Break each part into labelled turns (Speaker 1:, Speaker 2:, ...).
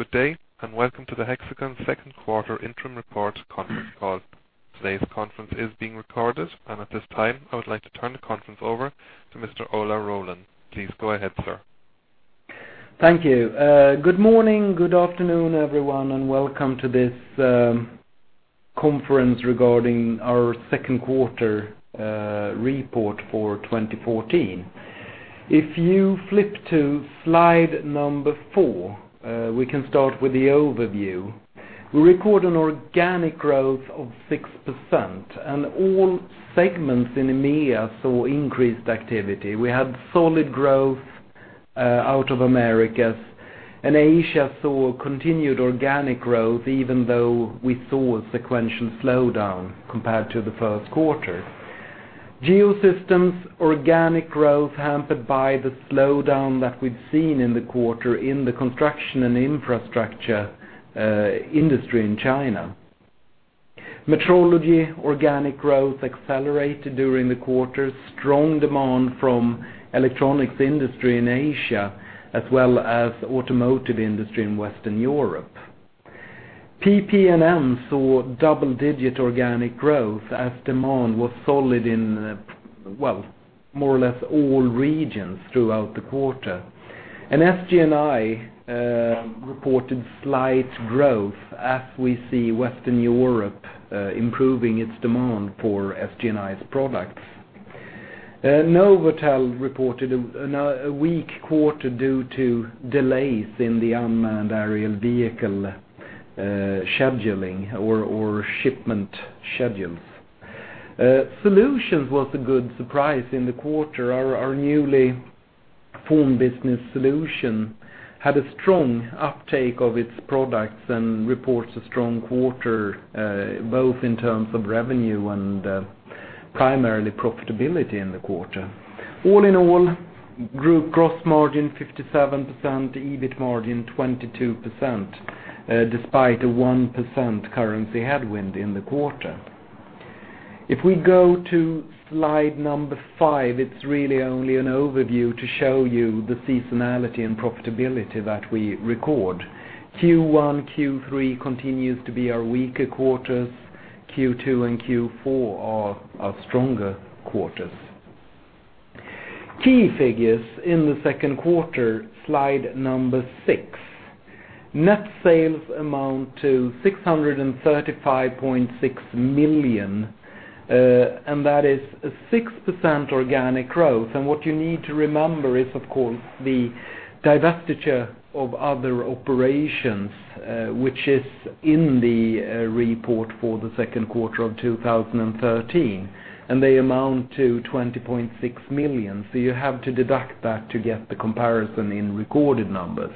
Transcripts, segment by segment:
Speaker 1: Good day, welcome to the Hexagon second quarter interim report conference call. Today's conference is being recorded. At this time, I would like to turn the conference over to Mr. Ola Rollén. Please go ahead, sir.
Speaker 2: Thank you. Good morning, good afternoon, everyone, welcome to this conference regarding our second quarter report for 2014. If you flip to slide number four, we can start with the overview. We record an organic growth of 6%. All segments in EMEA saw increased activity. We had solid growth out of Americas. Asia saw continued organic growth, even though we saw a sequential slowdown compared to the first quarter. Geosystems organic growth hampered by the slowdown that we've seen in the quarter in the construction and infrastructure industry in China. Metrology organic growth accelerated during the quarter. Strong demand from electronics industry in Asia as well as automotive industry in Western Europe. PP&M saw double-digit organic growth as demand was solid in more or less all regions throughout the quarter. SG&I reported slight growth as we see Western Europe improving its demand for SG&I's products. NovAtel reported a weak quarter due to delays in the unmanned aerial vehicle scheduling or shipment schedules. Solutions was a good surprise in the quarter. Our newly formed business solution had a strong uptake of its products and reports a strong quarter both in terms of revenue and primarily profitability in the quarter. All in all, group gross margin 57%, EBIT margin 22%, despite a 1% currency headwind in the quarter. If we go to slide number five, it's really only an overview to show you the seasonality and profitability that we record. Q1, Q3 continues to be our weaker quarters. Q2 and Q4 are our stronger quarters. Key figures in the second quarter, slide number six. Net sales amount to 635.6 million. That is a 6% organic growth. What you need to remember is, of course, the divestiture of other operations, which is in the report for the second quarter of 2013. They amount to 20.6 million. You have to deduct that to get the comparison in recorded numbers.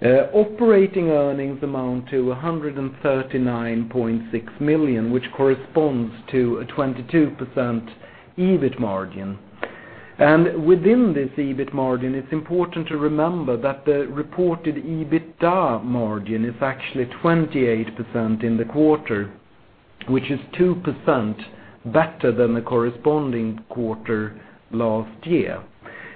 Speaker 2: Operating earnings amount to 139.6 million, which corresponds to a 22% EBIT margin. Within this EBIT margin, it's important to remember that the reported EBITDA margin is actually 28% in the quarter, which is 2% better than the corresponding quarter last year.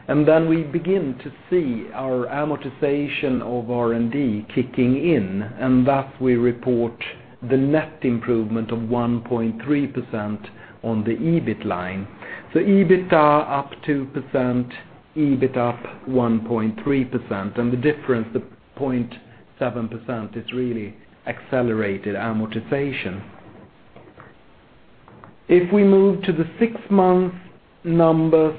Speaker 2: Then we begin to see our amortization of R&D kicking in. Thus we report the net improvement of 1.3% on the EBIT line. EBITDA up 2%, EBIT up 1.3%. The difference, the 0.7%, is really accelerated amortization. If we move to the six months numbers,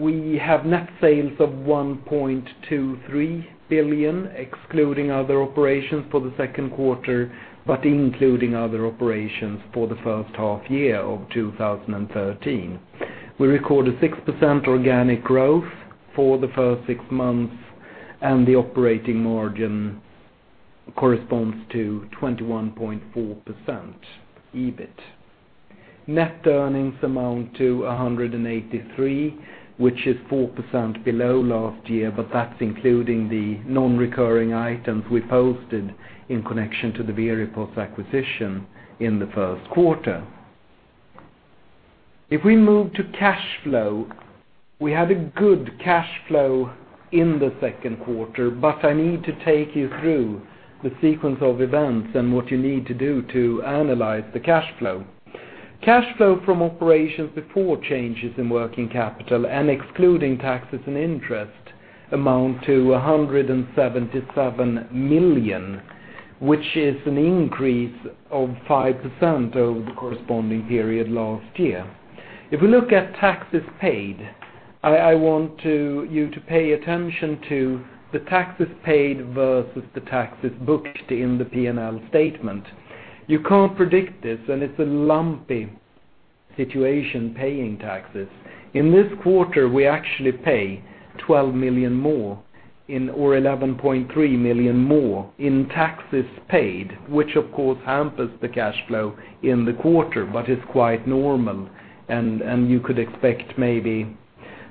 Speaker 2: we have net sales of 1.23 billion, excluding other operations for the second quarter, but including other operations for the first half year of 2013. We recorded 6% organic growth for the first six months, and the operating margin corresponds to 21.4% EBIT. Net earnings amount to 183, which is 4% below last year, but that's including the non-recurring items we posted in connection to the Veripos acquisition in the first quarter. If we move to cash flow, we had a good cash flow in the second quarter, but I need to take you through the sequence of events and what you need to do to analyze the cash flow. Cash flow from operations before changes in working capital and excluding taxes and interest amount to 177 million, which is an increase of 5% over the corresponding period last year. If we look at taxes paid, I want you to pay attention to the taxes paid versus the taxes booked in the P&L statement. You can't predict this, and it's a lumpy situation, paying taxes. In this quarter, we actually pay 12 million more or 11.3 million more in taxes paid, which of course, hampers the cash flow in the quarter, but it's quite normal, and you could expect maybe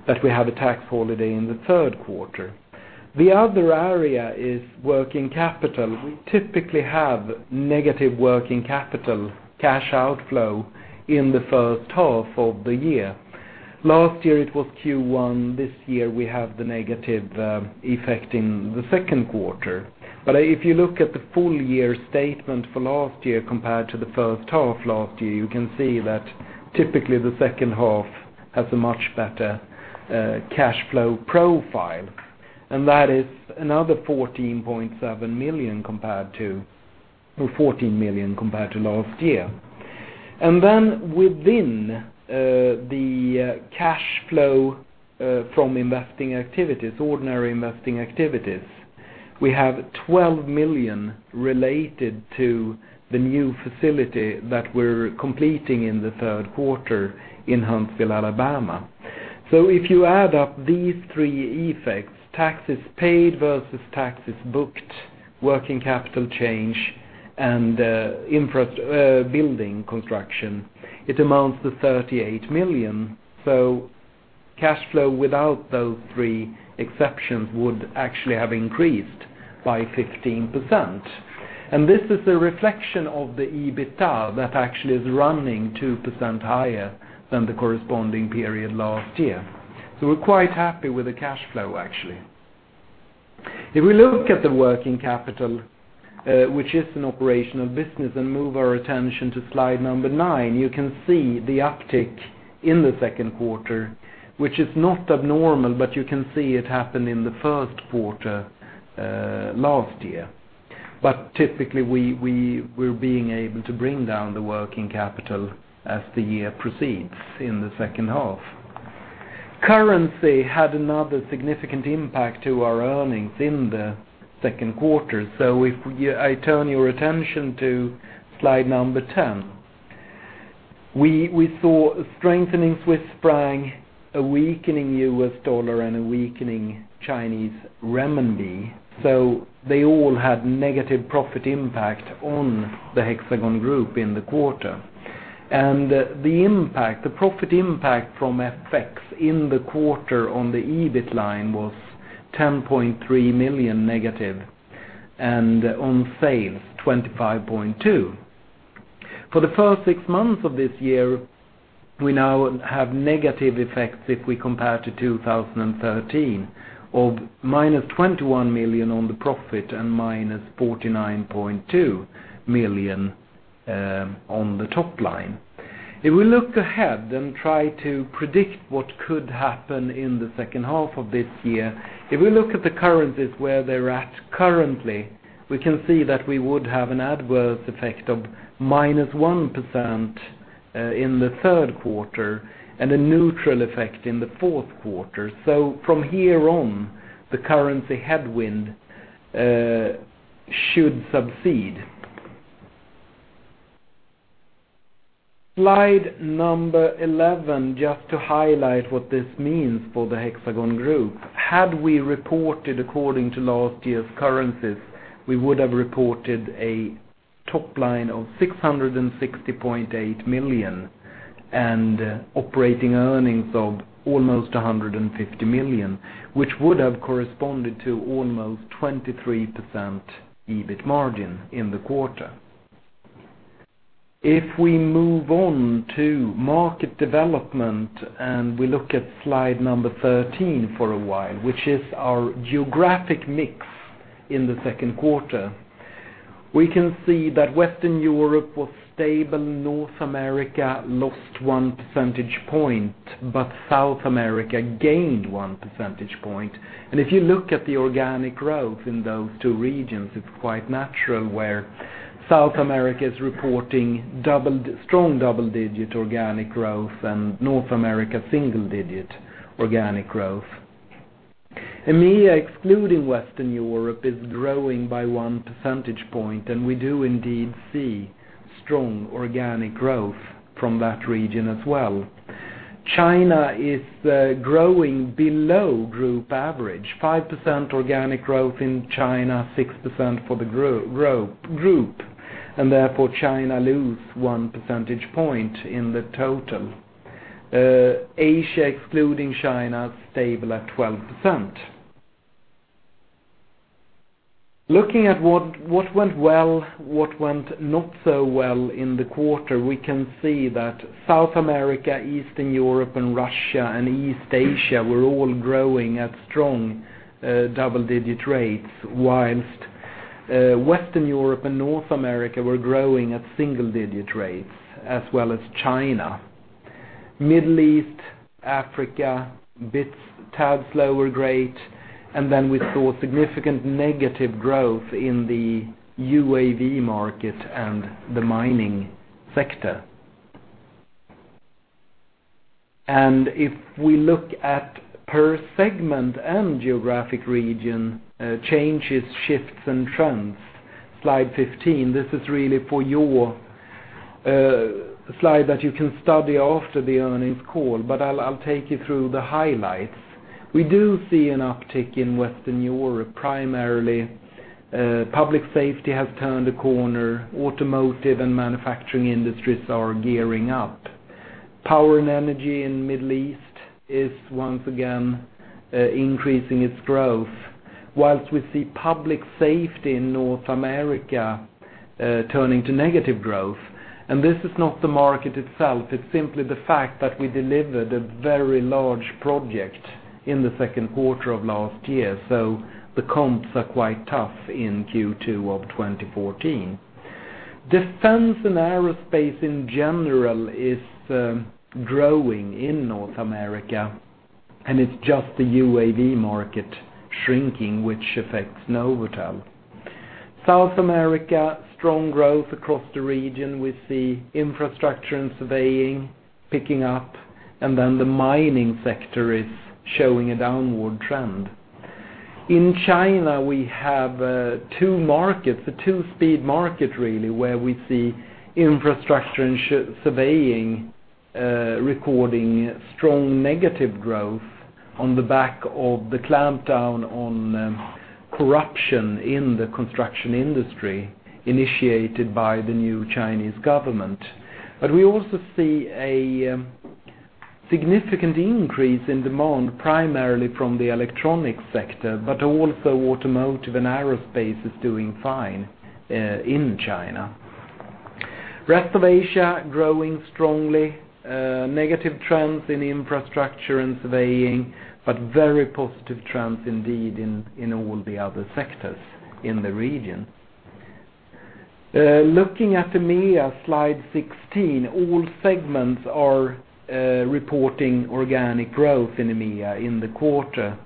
Speaker 2: that we have a tax holiday in the third quarter. The other area is working capital. We typically have negative working capital cash outflow in the first half of the year. Last year it was Q1. This year we have the negative effect in the second quarter. If you look at the full year statement for last year compared to the first half last year, you can see that typically the second half has a much better cash flow profile, and that is another 14 million compared to last year. Within the cash flow from ordinary investing activities, we have 12 million related to the new facility that we're completing in the third quarter in Huntsville, Alabama. If you add up these three effects, taxes paid versus taxes booked, working capital change, and building construction, it amounts to 38 million. Cash flow without those three exceptions would actually have increased by 15%. This is a reflection of the EBITDA that actually is running 2% higher than the corresponding period last year. We're quite happy with the cash flow, actually. If we look at the working capital, which is an operational business, and move our attention to slide number nine, you can see the uptick in the second quarter, which is not abnormal, but you can see it happened in the first quarter last year. Typically, we're being able to bring down the working capital as the year proceeds in the second half. Currency had another significant impact to our earnings in the second quarter. If I turn your attention to slide number 10, we saw a strengthening Swiss franc, a weakening US dollar, and a weakening Chinese renminbi. They all had negative profit impact on the Hexagon Group in the quarter. The profit impact from FX in the quarter on the EBIT line was 10.3 million negative, and on sales, 25.2 million. For the first six months of this year, we now have negative effects if we compare to 2013 of -21 million on the profit and -49.2 million on the top line. If we look ahead and try to predict what could happen in the second half of this year, if we look at the currencies where they're at currently, we can see that we would have an adverse effect of -1% in the third quarter and a neutral effect in the fourth quarter. From here on, the currency headwind should subside. Slide number 11, just to highlight what this means for the Hexagon Group. Had we reported according to last year's currencies, we would have reported a top line of 660.8 million and operating earnings of almost 150 million, which would have corresponded to almost 23% EBIT margin in the quarter. If we move on to market development and we look at slide number 13 for a while, which is our geographic mix in the second quarter, we can see that Western Europe was stable, North America lost one percentage point, but South America gained one percentage point. If you look at the organic growth in those two regions, it's quite natural where South America is reporting strong double-digit organic growth and North America single-digit organic growth. EMEA, excluding Western Europe, is growing by one percentage point. We do indeed see strong organic growth from that region as well. China is growing below group average, 5% organic growth in China, 6% for the group, therefore China lose one percentage point in the total. Asia, excluding China, stable at 12%. Looking at what went well, what went not so well in the quarter, we can see that South America, Eastern Europe and Russia, and East Asia were all growing at strong double-digit rates, whilst Western Europe and North America were growing at single-digit rates as well as China. Middle East, Africa, bit tad slower rate. Then we saw significant negative growth in the UAV market and the mining sector. If we look at per segment and geographic region, changes, shifts, and trends, slide 15, this is really for your slide that you can study after the earnings call. I'll take you through the highlights. We do see an uptick in Western Europe. Primarily, public safety has turned a corner. Automotive and manufacturing industries are gearing up. Power and energy in Middle East is once again increasing its growth, whilst we see public safety in North America turning to negative growth. This is not the market itself, it's simply the fact that we delivered a very large project in the second quarter of last year, so the comps are quite tough in Q2 of 2014. Defense and aerospace in general is growing in North America. It's just the UAV market shrinking, which affects NovAtel. South America, strong growth across the region. We see infrastructure and surveying picking up. Then the mining sector is showing a downward trend. In China, we have two markets, a two-speed market really, where we see infrastructure and surveying recording strong negative growth on the back of the clampdown on corruption in the construction industry initiated by the new Chinese government. We also see a significant increase in demand, primarily from the electronics sector, but also automotive and aerospace is doing fine in China. Rest of Asia, growing strongly. Negative trends in infrastructure and surveying, but very positive trends indeed in all the other sectors in the region. Looking at EMEA, slide 16, all segments are reporting organic growth in EMEA in the quarter.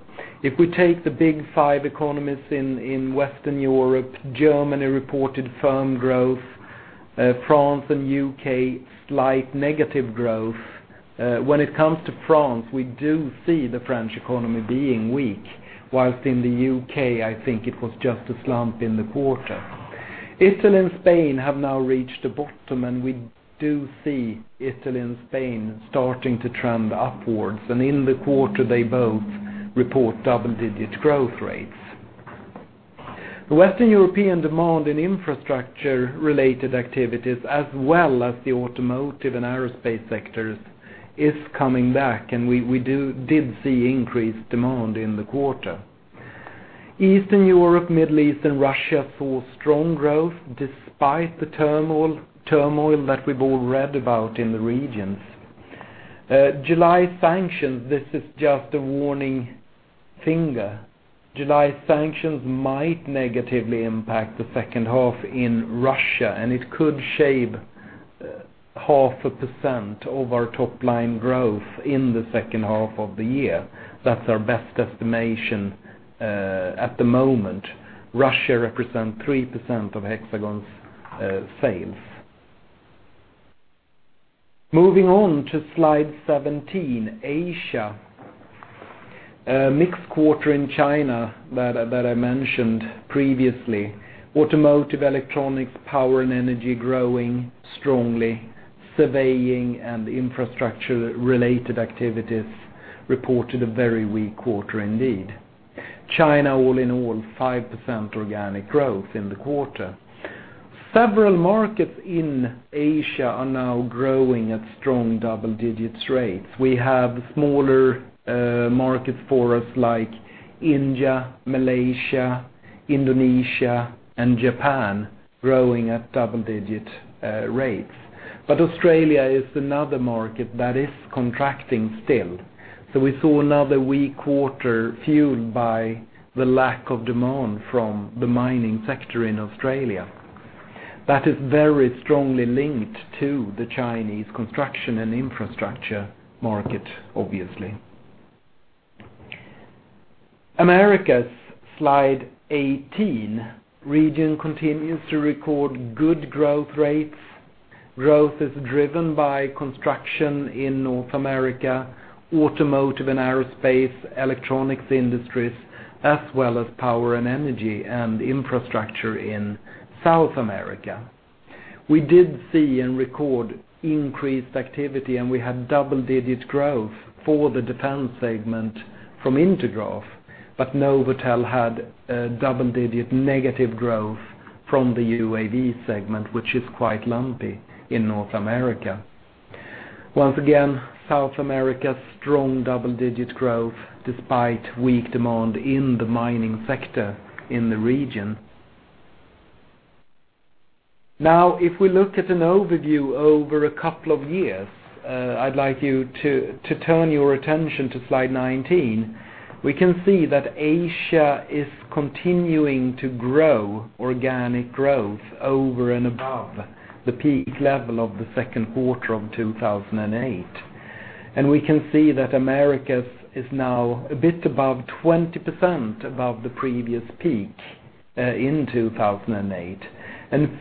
Speaker 2: If we take the big five economies in Western Europe, Germany reported firm growth, France and U.K., slight negative growth. When it comes to France, we do see the French economy being weak, whilst in the U.K., I think it was just a slump in the quarter. Italy and Spain have now reached the bottom, and we do see Italy and Spain starting to trend upwards. In the quarter, they both report double-digit growth rates. The Western European demand in infrastructure-related activities, as well as the automotive and aerospace sectors, is coming back, we did see increased demand in the quarter. Eastern Europe, Middle East, and Russia saw strong growth despite the turmoil that we've all read about in the regions. July sanctions. This is just a warning finger. July sanctions might negatively impact the second half in Russia, it could shave half a percent of our top-line growth in the second half of the year. That's our best estimation at the moment. Russia represents 3% of Hexagon's sales. Moving on to slide 17, Asia. A mixed quarter in China that I mentioned previously. Automotive, electronics, power and energy growing strongly. Surveying and infrastructure-related activities reported a very weak quarter indeed. China, all in all, 5% organic growth in the quarter. Several markets in Asia are now growing at strong double-digit rates. We have smaller markets for us like India, Malaysia, Indonesia, and Japan growing at double-digit rates. Australia is another market that is contracting still. We saw another weak quarter fueled by the lack of demand from the mining sector in Australia. That is very strongly linked to the Chinese construction and infrastructure market, obviously. Americas, slide 18. The region continues to record good growth rates. Growth is driven by construction in North America, automotive and aerospace, electronics industries, as well as power and energy and infrastructure in South America. We did see and record increased activity, we had double-digit growth for the defense segment from Intergraph, NovAtel had double-digit negative growth from the UAV segment, which is quite lumpy in North America. Once again, South America, strong double-digit growth despite weak demand in the mining sector in the region. If we look at an overview over a couple of years, I'd like you to turn your attention to slide 19. We can see that Asia is continuing to grow organic growth over and above the peak level of the second quarter of 2008. We can see that Americas is now a bit above 20% above the previous peak in 2008.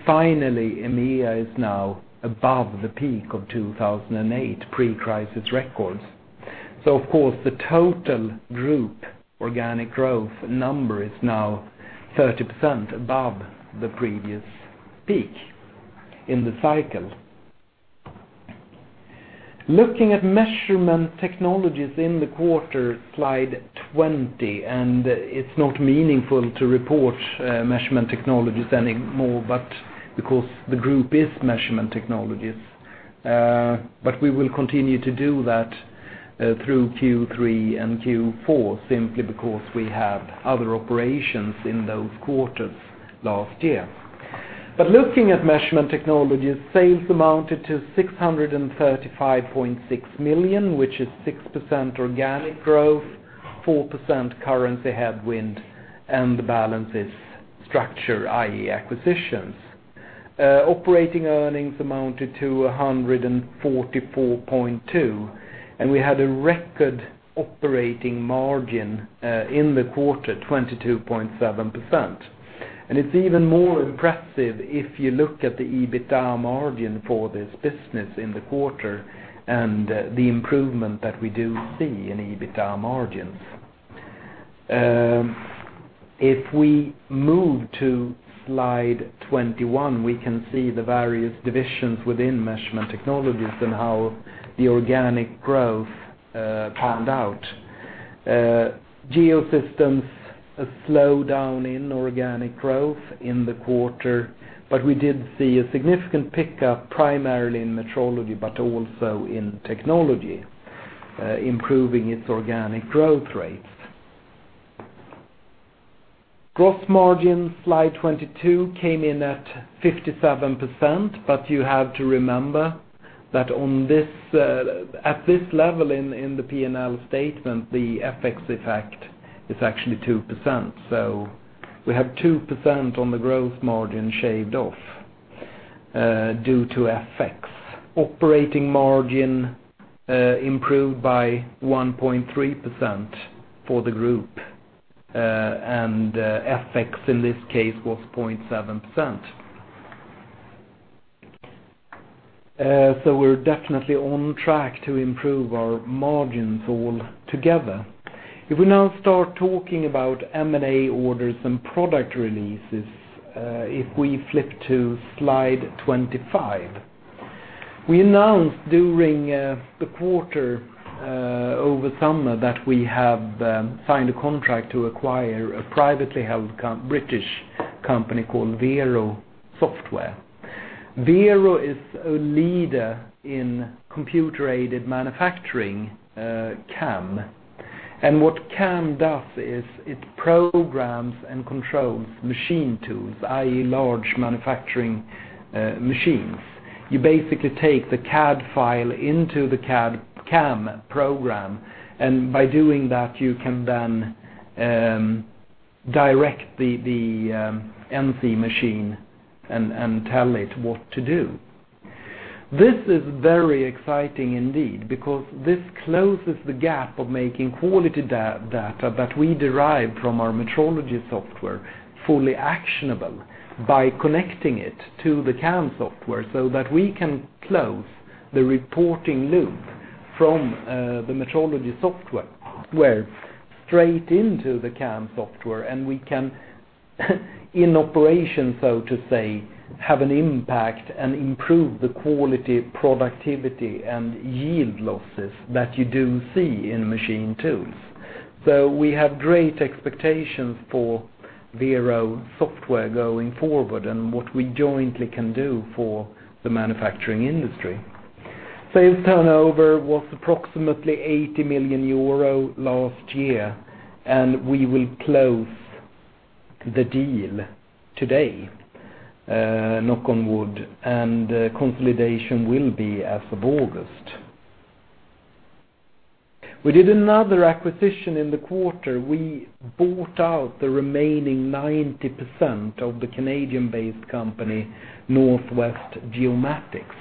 Speaker 2: Finally, EMEA is now above the peak of 2008 pre-crisis records. Of course, the total group organic growth number is now 30% above the previous peak in the cycle. Looking at measurement technologies in the quarter, slide 20, it's not meaningful to report measurement technologies anymore, but because the group is measurement technologies, we will continue to do that through Q3 and Q4, simply because we have other operations in those quarters last year. Looking at measurement technologies, sales amounted to 635.6 million, which is 6% organic growth, 4% currency headwind, and the balance is structure, i.e., acquisitions. Operating earnings amounted to 144.2 million, and we had a record operating margin in the quarter, 22.7%. It's even more impressive if you look at the EBITDA margin for this business in the quarter and the improvement that we do see in EBITDA margins. If we move to slide 21, we can see the various divisions within measurement technologies and how the organic growth panned out. Geosystems slowed down in organic growth in the quarter, but we did see a significant pickup, primarily in metrology, but also in technology, improving its organic growth rates. Gross margin, slide 22, came in at 57%, but you have to remember that at this level in the P&L statement, the FX effect is actually 2%. We have 2% on the growth margin shaved off due to FX. Operating margin improved by 1.3% for the group, and FX in this case was 0.7%. We're definitely on track to improve our margins all together. We now start talking about M&A orders and product releases, if we flip to Slide 25. We announced during the quarter, over summer, that we have signed a contract to acquire a privately held British company called Vero Software. Vero is a leader in computer-aided manufacturing, CAM. What CAM does is it programs and controls machine tools, i.e., large manufacturing machines. You basically take the CAD file into the CAD/CAM program, and by doing that, you can then direct the NC machine, and tell it what to do. This is very exciting indeed because this closes the gap of making quality data that we derive from our metrology software fully actionable by connecting it to the CAM software so that we can close the reporting loop from the metrology software straight into the CAM software, and we can, in operation, so to say, have an impact and improve the quality, productivity, and yield losses that you do see in machine tools. We have great expectations for Vero Software going forward and what we jointly can do for the manufacturing industry. Sales turnover was approximately 80 million euro last year, and we will close the deal today, knock on wood, and consolidation will be as of August. We did another acquisition in the quarter. We bought out the remaining 90% of the Canadian-based company, North West Geomatics.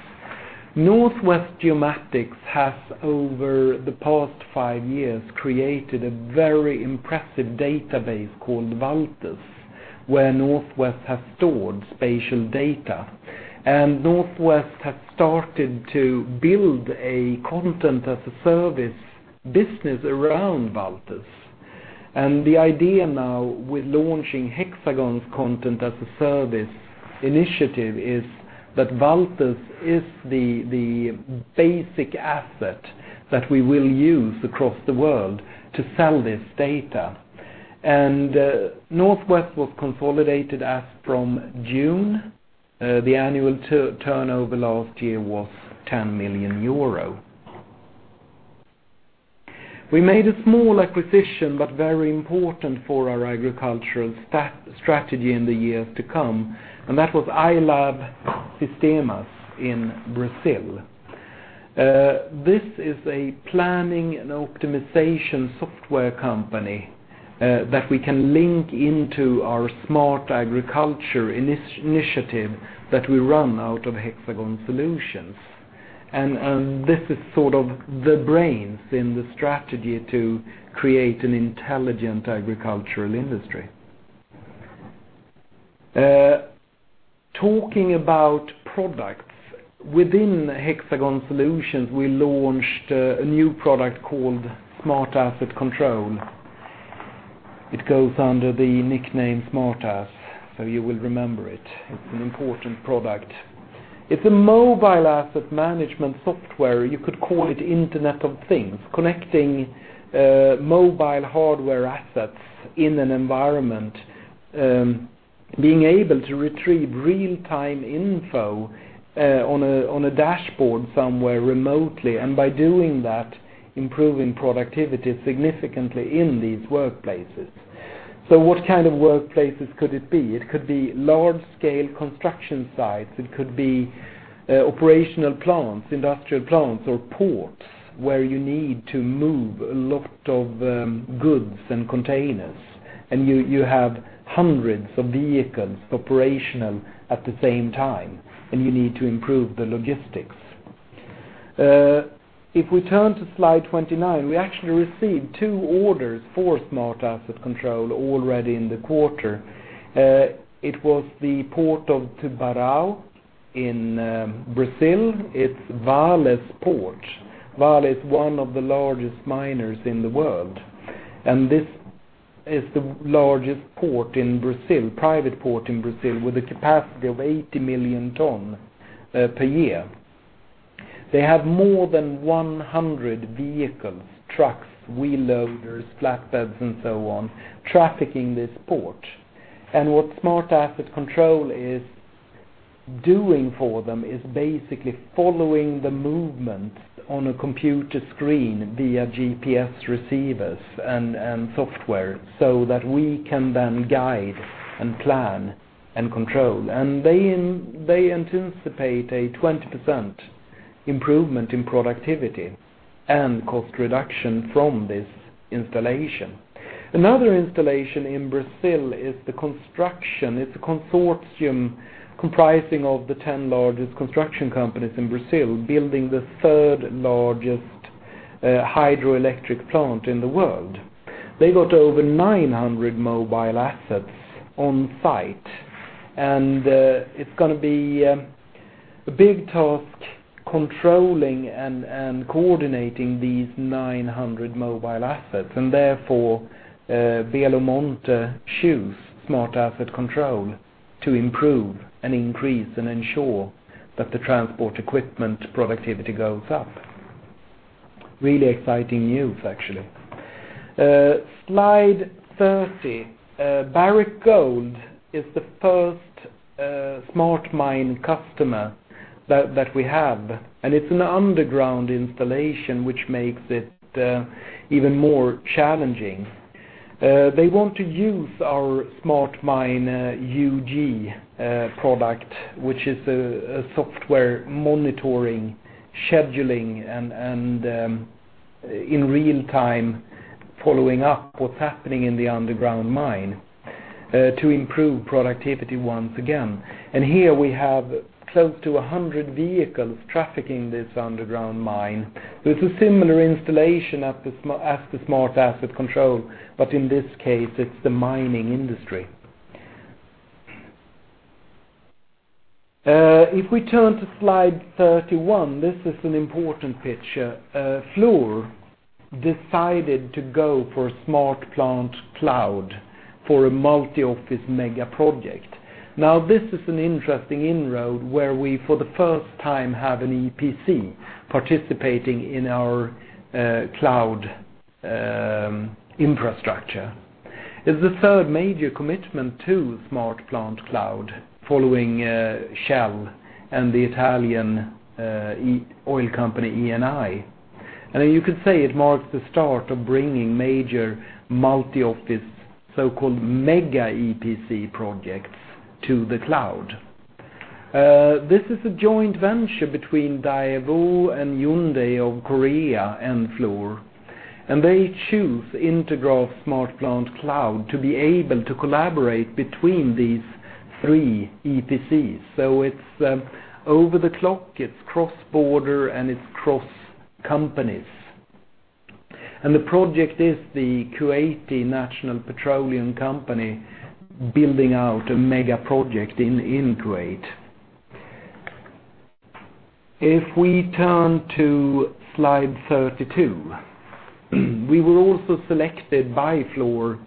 Speaker 2: North West Geomatics has, over the past five years, created a very impressive database called Valtus, where North West has stored spatial data, and North West has started to build a Content-as-a-Service business around Valtus. The idea now with launching Hexagon's Content-as-a-Service initiative is that Valtus is the basic asset that we will use across the world to sell this data. North West was consolidated as from June. The annual turnover last year was 10 million euro. We made a small acquisition, but very important for our agricultural strategy in the years to come, and that was iLab Sistemas in Brazil. This is a planning and optimization software company that we can link into our Smart Agriculture initiative that we run out of Hexagon Solutions. This is sort of the brains in the strategy to create an intelligent agricultural industry. Talking about products, within Hexagon Solutions, we launched a new product called Smart Asset Control. It goes under the nickname Smart Ass, so you will remember it. It's an important product. It's a mobile asset management software. You could call it Internet of Things, connecting mobile hardware assets in an environment, being able to retrieve real-time info on a dashboard somewhere remotely, and by doing that, improving productivity significantly in these workplaces. What kind of workplaces could it be? It could be large-scale construction sites. It could be operational plants, industrial plants, or ports, where you need to move a lot of goods and containers, and you have hundreds of vehicles operational at the same time, and you need to improve the logistics. If we turn to slide 29, we actually received two orders for Smart Asset Control already in the quarter. It was the Port of Tubarão in Brazil. It's Vale's port. Vale is one of the largest miners in the world, and this is the largest private port in Brazil with a capacity of 80 million tons per year. They have more than 100 vehicles, trucks, wheel loaders, flatbeds, and so on, trafficking this port. What Smart Asset Control is doing for them is basically following the movement on a computer screen via GPS receivers and software so that we can then guide and plan and control. They anticipate a 20% improvement in productivity and cost reduction from this installation. Another installation in Brazil is the construction. It's a consortium comprising of the 10 largest construction companies in Brazil, building the third-largest hydroelectric plant in the world. They got over 900 mobile assets on site, and it's going to be a big task controlling and coordinating these 900 mobile assets. Therefore, Belo Monte choose Smart Asset Control to improve and increase and ensure that the transport equipment productivity goes up. Really exciting news, actually. Slide 30. Barrick Gold is the first SmartMine customer that we have, and it's an underground installation, which makes it even more challenging. They want to use our SmartMine UG product, which is a software monitoring, scheduling, and in real-time following up what's happening in the underground mine to improve productivity once again. Here we have close to 100 vehicles trafficking this underground mine. It's a similar installation as the Smart Asset Control, but in this case, it's the mining industry. If we turn to slide 31, this is an important picture. Fluor decided to go for SmartPlant Cloud for a multi-office mega project. This is an interesting inroad where we, for the first time, have an EPC participating in our cloud infrastructure. It's the third major commitment to SmartPlant Cloud following Shell and the Italian oil company, Eni. You could say it marks the start of bringing major multi-office, so-called mega EPC projects to the cloud. This is a joint venture between Daewoo, Hyundai of Korea, and Fluor. They choose Intergraph SmartPlant Cloud to be able to collaborate between these three EPCs. It's over the clock, it's cross-border, and it's cross-companies. The project is the Kuwait National Petroleum Company building out a mega project in Kuwait. If we turn to slide 32, we were also selected by Fluor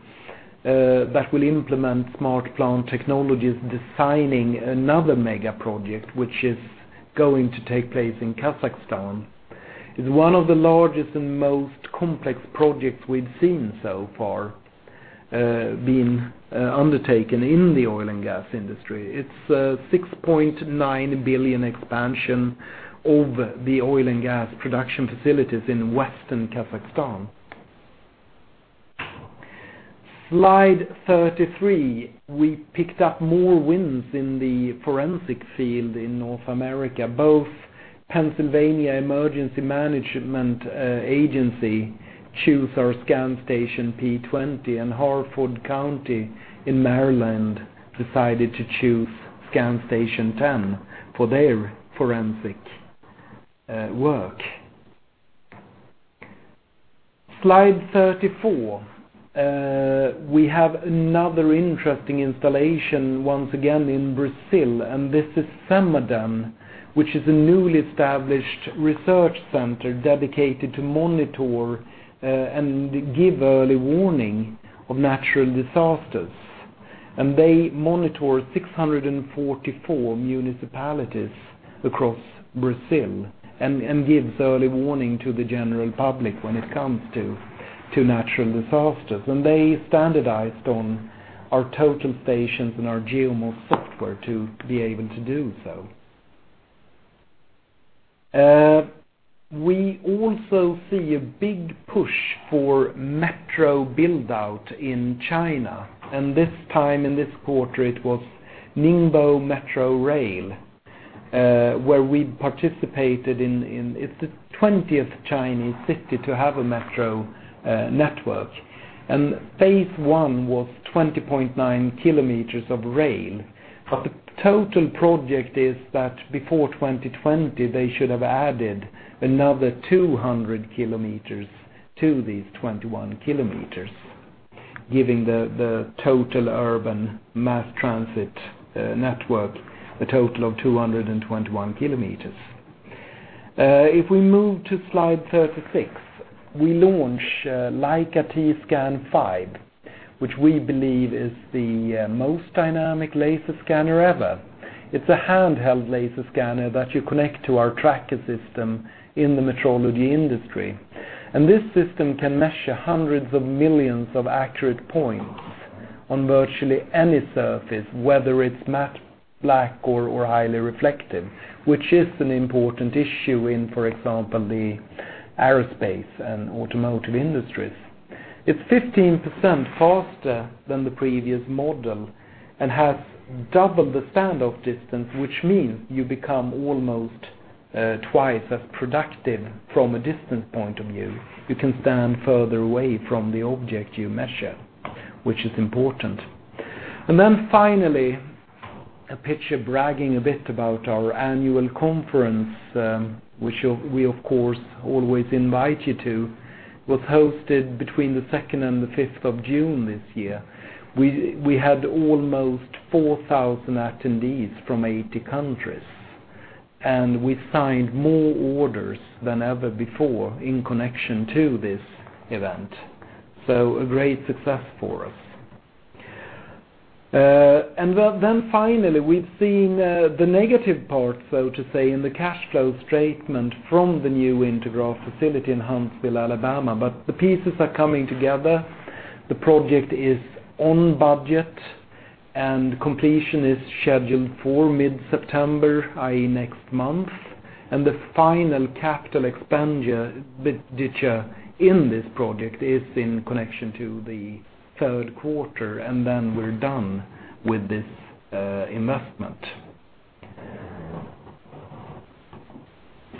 Speaker 2: that will implement SmartPlant technologies, designing another mega project, which is going to take place in Kazakhstan. It's one of the largest and most complex projects we've seen so far being undertaken in the oil and gas industry. It's a 6.9 billion expansion of the oil and gas production facilities in Western Kazakhstan. Slide 33. We picked up more wins in the forensic field in North America. Both Pennsylvania Emergency Management Agency choose our Leica ScanStation P20, and Harford County in Maryland decided to choose ScanStation C10 for their forensic work. Slide 34. We have another interesting installation, once again in Brazil, and this is CEMADEN, which is a newly established research center dedicated to monitor and give early warning of natural disasters. They monitor 644 municipalities across Brazil and give early warning to the general public when it comes to natural disasters. They standardized on our total stations and our Leica GeoMoS software to be able to do so. We also see a big push for metro build-out in China. This time in this quarter it was Ningbo Rail Transit, where we participated in the 20th Chinese city to have a metro network. Phase one was 20.9 kilometers of rail, but the total project is that before 2020 they should have added another 200 kilometers to these 21 kilometers, giving the total urban mass transit network a total of 221 kilometers. If we move to slide 36, we launch Leica T-Scan 5, which we believe is the most dynamic laser scanner ever. It's a handheld laser scanner that you connect to our tracker system in the metrology industry. This system can measure hundreds of millions of accurate points on virtually any surface, whether it's matte black or highly reflective, which is an important issue in, for example, the aerospace and automotive industries. It's 15% faster than the previous model and has double the standoff distance, which means you become almost twice as productive from a distance point of view. You can stand further away from the object you measure, which is important. Finally, a picture bragging a bit about our annual conference, which we of course always invite you to, was hosted between the second and the fifth of June this year. We had almost 4,000 attendees from 80 countries, and we signed more orders than ever before in connection to this event. A great success for us. Finally, we've seen the negative part, so to say, in the cash flows statement from the new Intergraph facility in Huntsville, Alabama, but the pieces are coming together. The project is on budget and completion is scheduled for mid-September, i.e., next month. The final capital expenditure in this project is in connection to the third quarter, then we're done with this investment.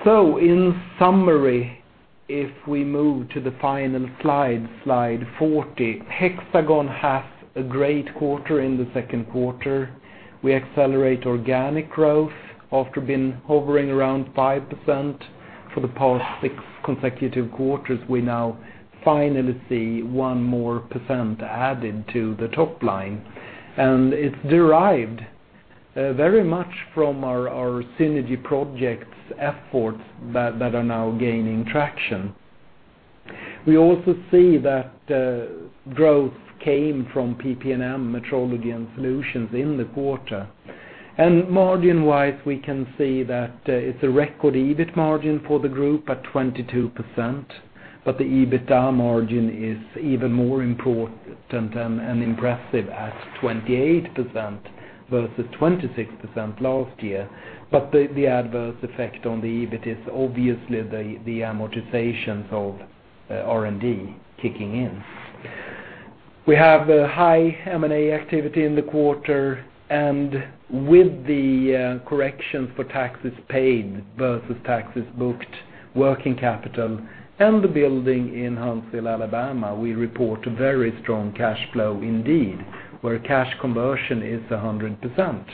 Speaker 2: In summary, if we move to the final slide 40, Hexagon has a great quarter in the second quarter. We accelerate organic growth after being hovering around 5% for the past six consecutive quarters. We now finally see one more percent added to the top line. It's derived very much from our synergy projects efforts that are now gaining traction. We also see that growth came from PP&M metrology and solutions in the quarter. Margin-wise, we can see that it's a record EBIT margin for the group at 22%, the EBITDA margin is even more important and impressive at 28% versus 26% last year. The adverse effect on the EBIT is obviously the amortizations of R&D kicking in. We have a high M&A activity in the quarter, with the corrections for taxes paid versus taxes booked, working capital and the building in Huntsville, Alabama, we report a very strong cash flow indeed, where cash conversion is 100%.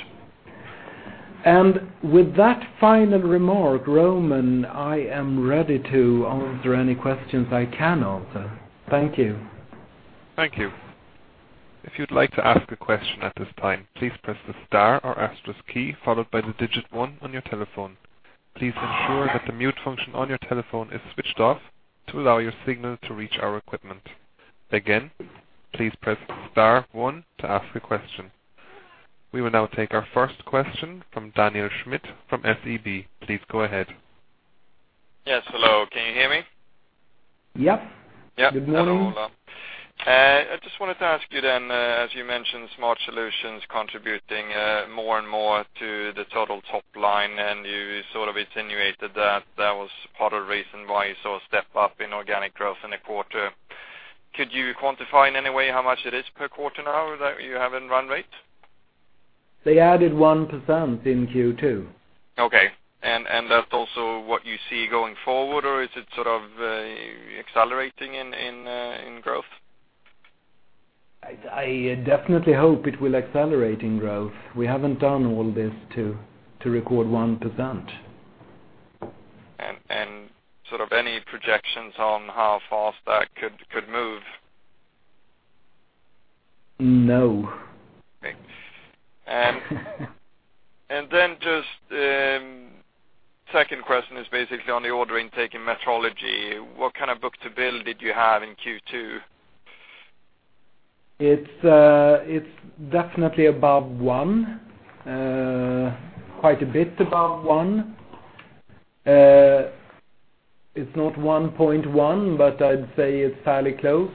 Speaker 2: With that final remark, Roman, I am ready to answer any questions I can answer. Thank you.
Speaker 1: Thank you. If you'd like to ask a question at this time, please press the star or asterisk key followed by the digit 1 on your telephone. Please ensure that the mute function on your telephone is switched off to allow your signal to reach our equipment. Again, please press star one to ask a question. We will now take our first question from Daniel Schmidt from SEB. Please go ahead.
Speaker 3: Yes, hello. Can you hear me?
Speaker 2: Yep.
Speaker 3: Yep.
Speaker 2: Good morning.
Speaker 3: Hello, Ola. I just wanted to ask you then, as you mentioned, Smart Solutions contributing more and more to the total top line, and you sort of insinuated that that was part of the reason why you saw a step up in organic growth in the quarter. Could you quantify in any way how much it is per quarter now that you have in run rate?
Speaker 2: They added 1% in Q2.
Speaker 3: Okay, that's also what you see going forward, or is it sort of accelerating in growth?
Speaker 2: I definitely hope it will accelerate in growth. We haven't done all this to record 1%.
Speaker 3: Any projections on how fast that could move?
Speaker 2: No.
Speaker 3: Okay. Just second question is basically on the order intake in metrology. What kind of book-to-bill did you have in Q2?
Speaker 2: It's definitely above one, quite a bit above one. It's not 1.1, but I'd say it's fairly close.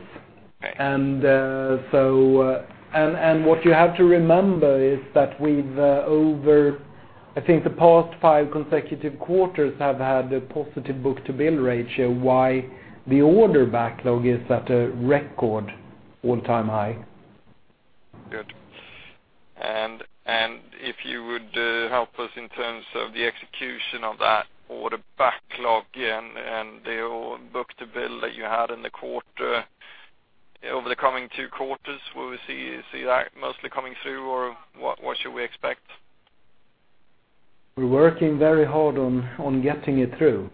Speaker 2: What you have to remember is that we've, over, I think the past five consecutive quarters, have had a positive book-to-bill ratio, why the order backlog is at a record all-time high.
Speaker 3: Good. If you would help us in terms of the execution of that order backlog and the book-to-bill that you had in the quarter. Over the coming two quarters, will we see that mostly coming through, or what should we expect?
Speaker 2: We're working very hard on getting it through.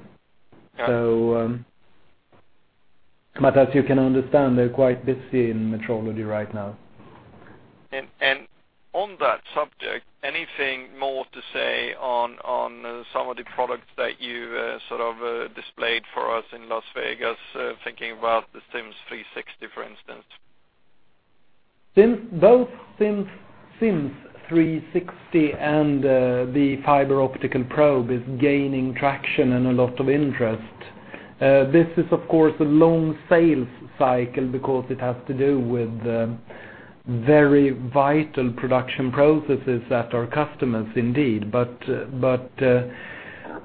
Speaker 3: Okay.
Speaker 2: As you can understand, they're quite busy in metrology right now.
Speaker 3: On that subject, anything more to say on some of the products that you displayed for us in Las Vegas? Thinking about the 360° SIMS, for instance.
Speaker 2: Both SIMS 360 and the fiber optical probe is gaining traction and a lot of interest. This is, of course, a long sales cycle because it has to do with very vital production processes at our customers indeed.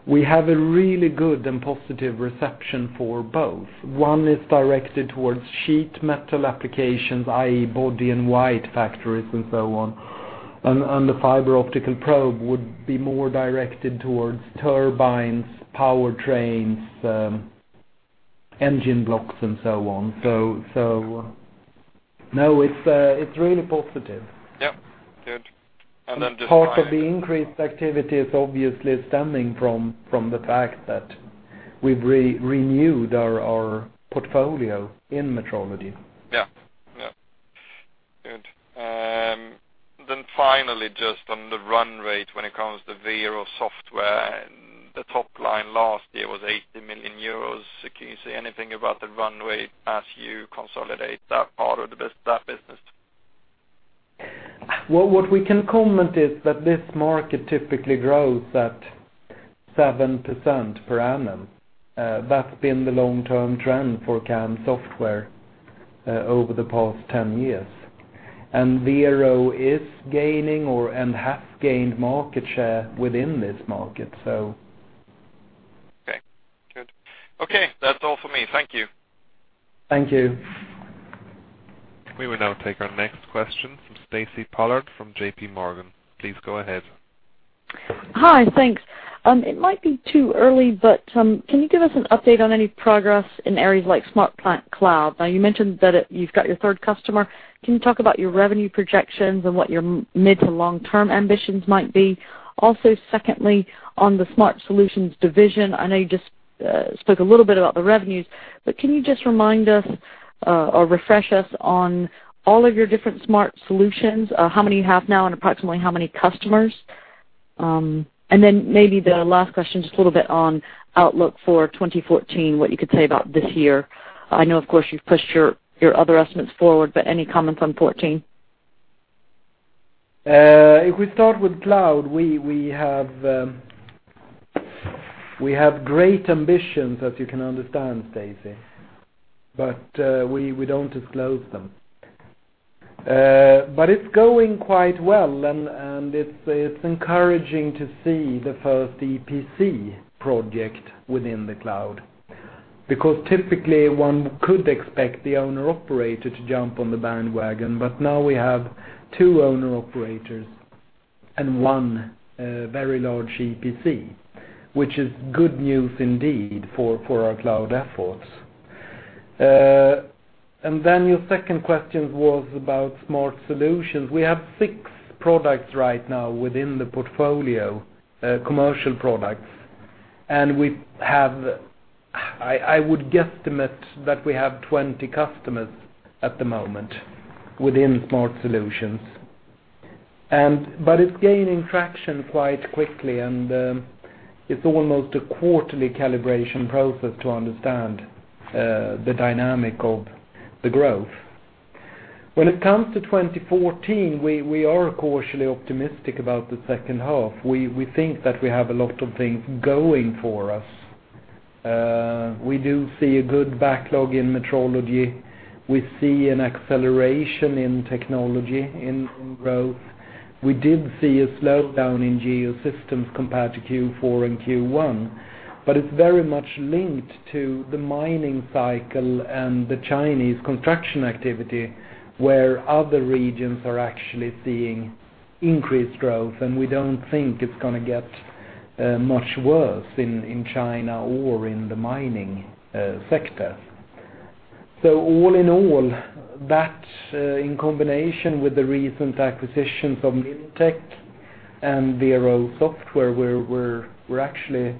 Speaker 2: We have a really good and positive reception for both. One is directed towards sheet metal applications, i.e., body-in-white factories and so on. The fiber optical probe would be more directed towards turbines, powertrains, engine blocks and so on. No, it's really positive.
Speaker 3: Yep. Good.
Speaker 2: Part of the increased activity is obviously stemming from the fact that we've renewed our portfolio in metrology.
Speaker 3: Yeah. Good. Finally, just on the run rate when it comes to Vero Software, the top line last year was 80 million euros. Can you say anything about the run rate as you consolidate that part of that business?
Speaker 2: Well, what we can comment is that this market typically grows at 7% per annum. That's been the long-term trend for CAM software, over the past 10 years. Vero is gaining or/and has gained market share within this market.
Speaker 3: Okay, good. Okay, that's all for me. Thank you.
Speaker 2: Thank you.
Speaker 1: We will now take our next question from Stacy Pollard from J.P. Morgan. Please go ahead.
Speaker 4: Hi, thanks. It might be too early, but can you give us an update on any progress in areas like SmartPlant Cloud? You mentioned that you've got your third customer. Can you talk about your revenue projections and what your mid to long-term ambitions might be? Secondly, on the Smart Solutions division, I know you just spoke a little bit about the revenues, but can you just remind us, or refresh us on all of your different Smart Solutions, how many you have now and approximately how many customers? Then maybe the last question, just a little bit on outlook for 2014, what you could say about this year. I know, of course, you've pushed your other estimates forward, but any comments on 2014?
Speaker 2: If we start with cloud, we have great ambitions, as you can understand, Stacy, but we don't disclose them. It's going quite well, and it's encouraging to see the first EPC project within the cloud. Typically one could expect the owner-operator to jump on the bandwagon, but now we have two owner-operators and one very large EPC, which is good news indeed for our cloud efforts. Your second question was about Smart Solutions. We have six products right now within the portfolio, commercial products. We have, I would guesstimate that we have 20 customers at the moment within Smart Solutions. It's gaining traction quite quickly, and it's almost a quarterly calibration process to understand the dynamic of the growth. When it comes to 2014, we are cautiously optimistic about the second half. We think that we have a lot of things going for us. We do see a good backlog in metrology. We see an acceleration in technology, in growth. We did see a slowdown in Geosystems compared to Q4 and Q1, but it's very much linked to the mining cycle and the Chinese construction activity, where other regions are actually seeing increased growth, and we don't think it's going to get much worse in China or in the mining sector. All in all, that in combination with the recent acquisitions of Milltech and Vero Software, we're actually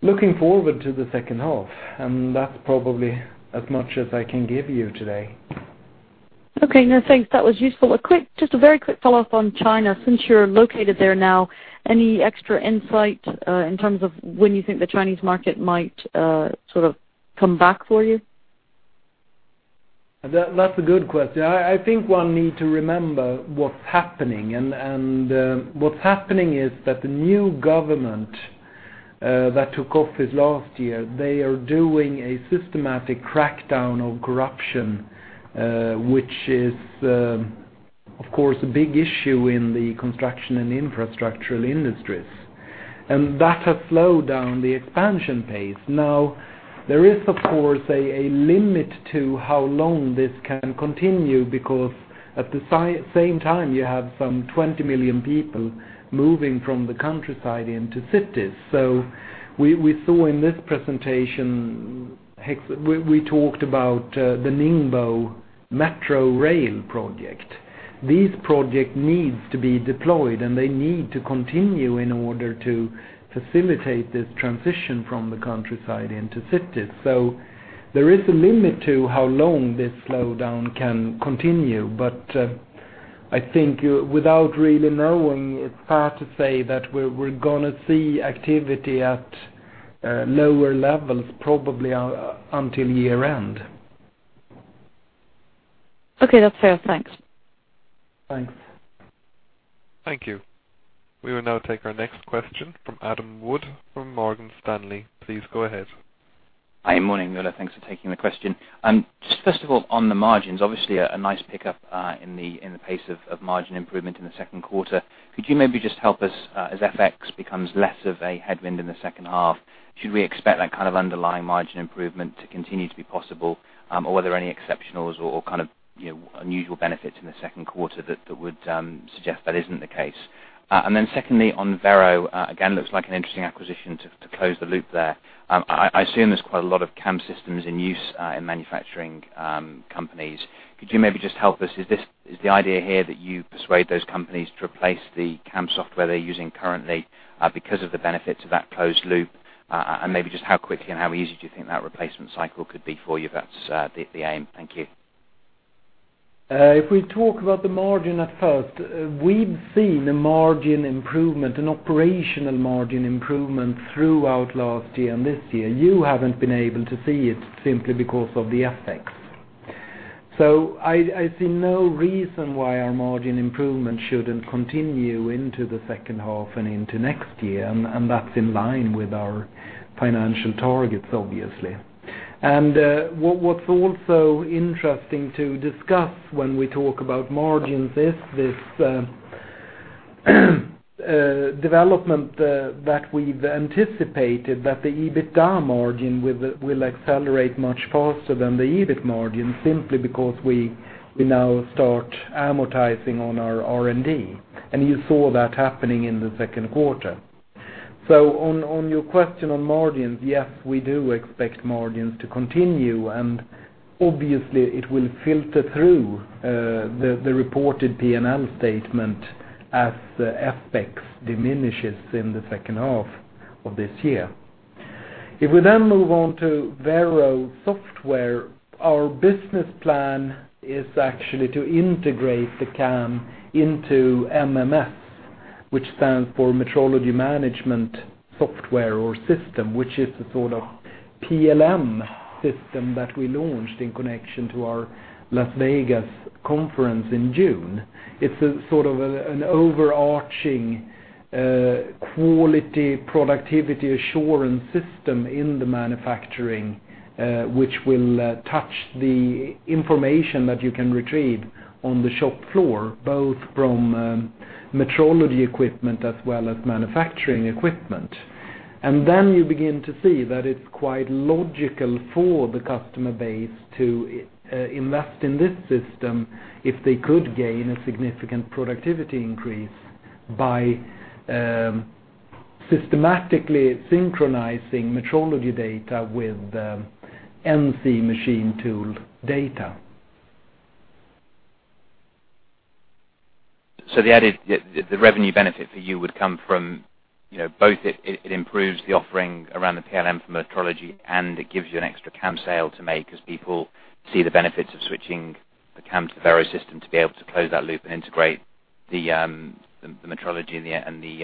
Speaker 2: looking forward to the second half, and that's probably as much as I can give you today.
Speaker 4: Okay, no, thanks. That was useful. Just a very quick follow-up on China, since you're located there now, any extra insight in terms of when you think the Chinese market might come back for you?
Speaker 2: That's a good question. I think one needs to remember what's happening, and what's happening is that the new government that took office last year, they are doing a systematic crackdown on corruption, which is, of course, a big issue in the construction and infrastructural industries. That has slowed down the expansion pace. Now, there is, of course, a limit to how long this can continue, because at the same time, you have some 20 million people moving from the countryside into cities. We saw in this presentation, we talked about the Ningbo Rail Transit project. These projects need to be deployed, and they need to continue in order to facilitate this transition from the countryside into cities. There is a limit to how long this slowdown can continue, but I think without really knowing, it's hard to say that we're going to see activity at lower levels probably until year-end.
Speaker 4: Okay. That's fair. Thanks.
Speaker 2: Thanks.
Speaker 1: Thank you. We will now take our next question from Adam Wood from Morgan Stanley. Please go ahead.
Speaker 5: Hi. Morning, Ola. Thanks for taking the question. First of all, on the margins, obviously a nice pickup in the pace of margin improvement in the second quarter. Could you maybe just help us as FX becomes less of a headwind in the second half, should we expect that kind of underlying margin improvement to continue to be possible? Or were there any exceptionals or unusual benefits in the second quarter that would suggest that isn't the case? Secondly, on Vero, again, looks like an interesting acquisition to close the loop there. I assume there's quite a lot of CAM systems in use in manufacturing companies. Could you maybe just help us, is the idea here that you persuade those companies to replace the CAM software they're using currently because of the benefit to that closed loop? maybe just how quickly and how easy do you think that replacement cycle could be for you if that's the aim. Thank you.
Speaker 2: If we talk about the margin at first, we've seen a margin improvement, an operational margin improvement throughout last year and this year. You haven't been able to see it simply because of the FX. I see no reason why our margin improvement shouldn't continue into the second half and into next year, and that's in line with our financial targets, obviously. What's also interesting to discuss when we talk about margins is this development that we've anticipated, that the EBITDA margin will accelerate much faster than the EBIT margin, simply because we now start amortizing on our R&D. You saw that happening in the second quarter. On your question on margins, yes, we do expect margins to continue, and obviously it will filter through the reported P&L statement as the FX diminishes in the second half of this year. If we then move on to Vero Software, our business plan is actually to integrate the CAM into MMS, which stands for Metrology Management Software or System, which is a sort of PLM system that we launched in connection to our Las Vegas conference in June. It's a sort of an overarching quality productivity assurance system in the manufacturing, which will touch the information that you can retrieve on the shop floor, both from metrology equipment as well as manufacturing equipment. Then you begin to see that it's quite logical for the customer base to invest in this system if they could gain a significant productivity increase by systematically synchronizing metrology data with the NC machine tool data.
Speaker 5: The revenue benefit for you would come from both it improves the offering around the PLM for metrology, and it gives you an extra CAM sale to make as people see the benefits of switching the CAM to the Vero system to be able to close that loop and integrate the metrology and the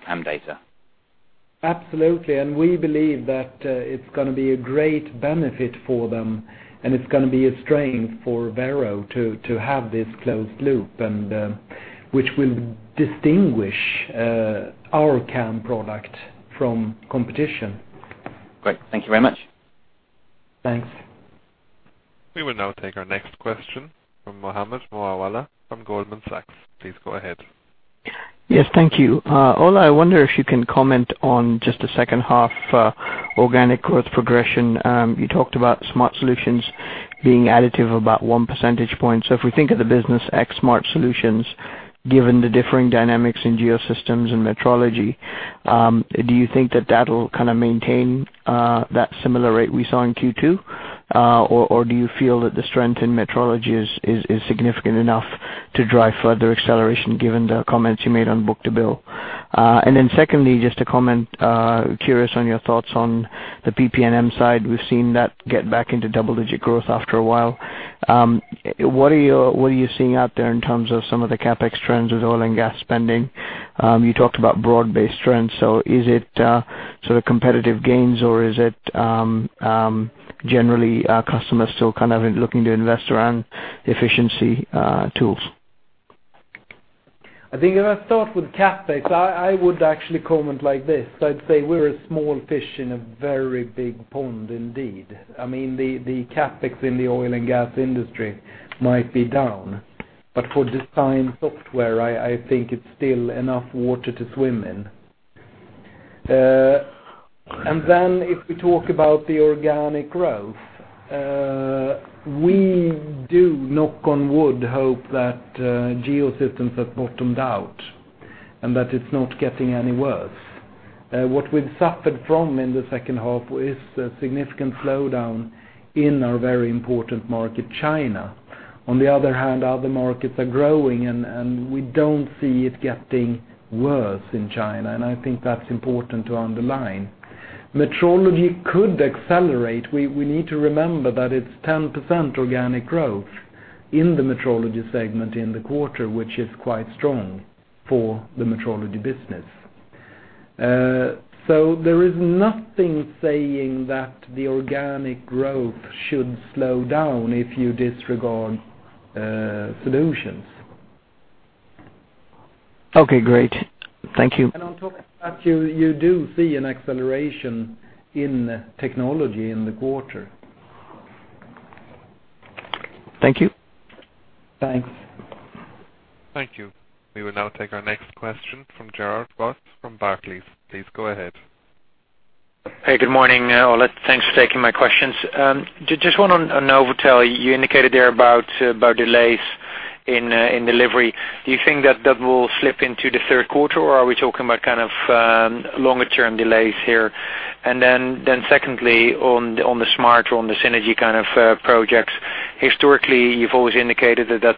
Speaker 5: CAM data.
Speaker 2: Absolutely. We believe that it's going to be a great benefit for them, and it's going to be a strength for Vero to have this closed loop, and which will distinguish our CAM product from competition.
Speaker 5: Great. Thank you very much.
Speaker 2: Thanks.
Speaker 1: We will now take our next question from Mohammed Moawalla from Goldman Sachs. Please go ahead.
Speaker 6: Yes, thank you. Ola, I wonder if you can comment on just the second half organic growth progression. You talked about Smart Solutions being additive about one percentage point. If we think of the business ex Smart Solutions, given the differing dynamics in Geosystems and Metrology, do you think that that'll kind of maintain that similar rate we saw in Q2? Or do you feel that the strength in Metrology is significant enough to drive further acceleration given the comments you made on book-to-bill? Then secondly, just to comment, curious on your thoughts on the PP&M side. We've seen that get back into double-digit growth after a while. What are you seeing out there in terms of some of the CapEx trends with oil and gas spending? You talked about broad-based trends. Is it competitive gains or is it generally customers still looking to invest around efficiency tools?
Speaker 2: I think if I start with CapEx, I would actually comment like this. I'd say we're a small fish in a very big pond indeed. The CapEx in the oil and gas industry might be down. For design software, I think it's still enough water to swim in. If we talk about the organic growth, we do, knock on wood, hope that Geosystems have bottomed out, and that it's not getting any worse. What we've suffered from in the second half is a significant slowdown in our very important market, China. Other markets are growing, and we don't see it getting worse in China. I think that's important to underline. Metrology could accelerate. We need to remember that it's 10% organic growth in the Metrology segment in the quarter, which is quite strong for the Metrology business. There is nothing saying that the organic growth should slow down if you disregard solutions.
Speaker 6: Okay, great. Thank you.
Speaker 2: on top of that, you do see an acceleration in technology in the quarter.
Speaker 6: Thank you.
Speaker 2: Thanks.
Speaker 1: Thank you. We will now take our next question from Gerard Goss from Barclays. Please go ahead.
Speaker 7: Hey, good morning, Ola. Thanks for taking my questions. Just one on NovAtel. You indicated there about delays in delivery. Do you think that will slip into the third quarter, or are we talking about longer-term delays here? Then secondly, on the synergy kind of projects. Historically, you've always indicated that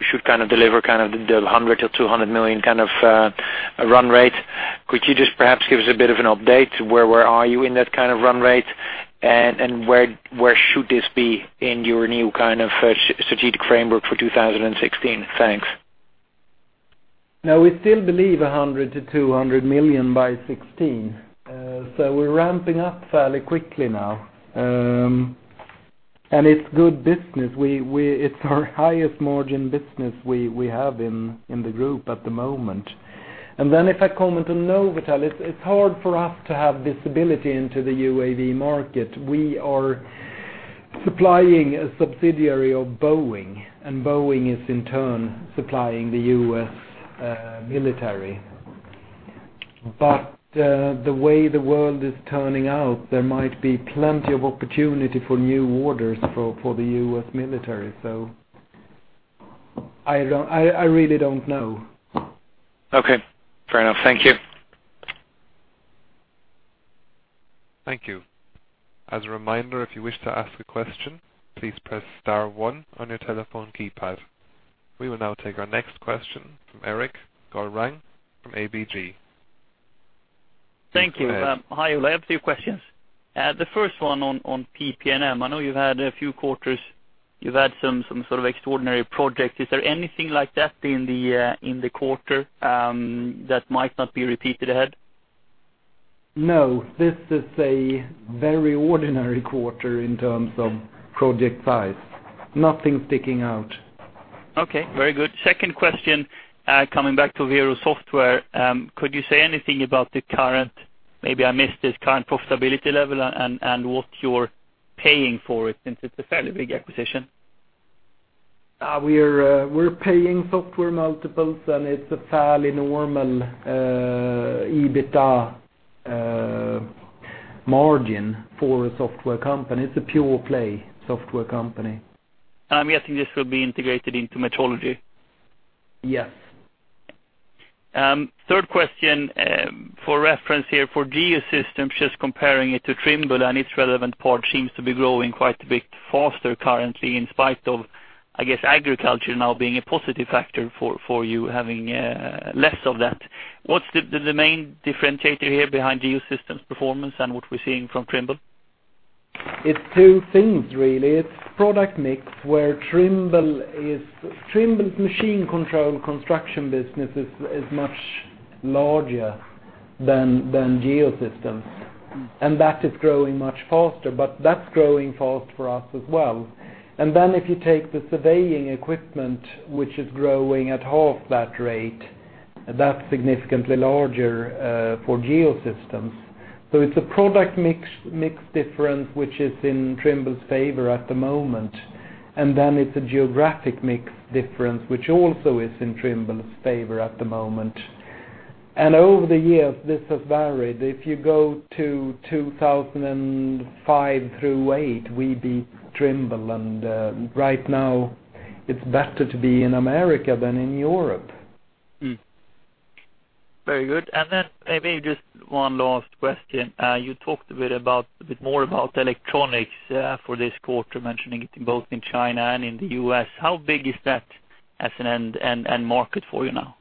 Speaker 7: should deliver the 100 million to 200 million kind of run rate. Could you just perhaps give us a bit of an update? Where are you in that kind of run rate, and where should this be in your new strategic framework for 2016? Thanks.
Speaker 2: We still believe 100 million to 200 million by 2016. We're ramping up fairly quickly now. It's good business. It's our highest margin business we have in the group at the moment. If I comment on NovAtel, it's hard for us to have visibility into the UAV market. We are supplying a subsidiary of Boeing, and Boeing is, in turn, supplying the U.S. military. The way the world is turning out, there might be plenty of opportunity for new orders for the U.S. military. I really don't know.
Speaker 7: Okay. Fair enough. Thank you.
Speaker 1: Thank you. As a reminder, if you wish to ask a question, please press star 1 on your telephone keypad. We will now take our next question from Erik Golrang from ABG.
Speaker 8: Thank you.
Speaker 1: Please go ahead.
Speaker 8: Hi, Ola. I have two questions. The first one on PP&M. I know you've had a few quarters, you've had some sort of extraordinary project. Is there anything like that in the quarter that might not be repeated ahead?
Speaker 2: No, this is a very ordinary quarter in terms of project size. Nothing sticking out.
Speaker 8: Okay, very good. Second question, coming back to Vero Software. Could you say anything about the current, maybe I missed it, current profitability level and what you're paying for it, since it's a fairly big acquisition?
Speaker 2: We're paying software multiples. It's a fairly normal EBITDA margin for a software company. It's a pure-play software company.
Speaker 8: I'm guessing this will be integrated into metrology.
Speaker 2: Yes.
Speaker 8: Third question, for reference here, for Hexagon Geosystems, just comparing it to Trimble and its relevant part seems to be growing quite a bit faster currently in spite of, I guess, agriculture now being a positive factor for you, having less of that. What's the main differentiator here behind Hexagon Geosystems performance and what we're seeing from Trimble?
Speaker 2: It's two things, really. It's product mix, where Trimble's machine control construction business is much larger than Hexagon Geosystems. That is growing much faster, but that's growing fast for us as well. If you take the surveying equipment, which is growing at half that rate, that's significantly larger for Hexagon Geosystems. It's a product mix difference, which is in Trimble's favor at the moment. It's a geographic mix difference, which also is in Trimble's favor at the moment. Over the years, this has varied. If you go to 2005 through 2008, we beat Trimble. Right now it's better to be in America than in Europe.
Speaker 8: Very good. Then maybe just one last question. You talked a bit more about electronics for this quarter, mentioning it both in China and in the U.S. How big is that as an end market for you now?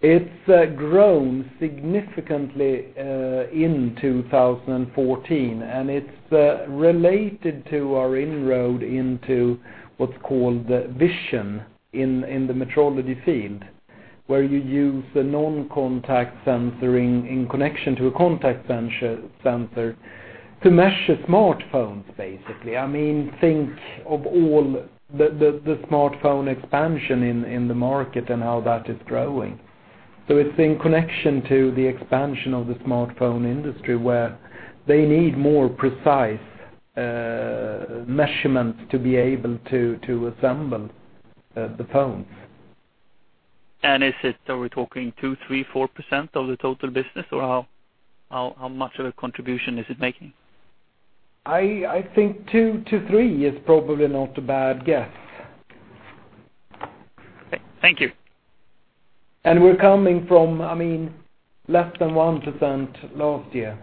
Speaker 2: It's grown significantly in 2014, it's related to our inroad into what's called vision in the metrology field, where you use a non-contact sensor in connection to a contact sensor to measure smartphones, basically. Think of all the smartphone expansion in the market and how that is growing. It's in connection to the expansion of the smartphone industry, where they need more precise measurements to be able to assemble the phones.
Speaker 8: Are we talking 2%, 3%, 4% of the total business, or how much of a contribution is it making?
Speaker 2: I think 2%-3% is probably not a bad guess.
Speaker 8: Thank you.
Speaker 2: We're coming from less than 1% last year.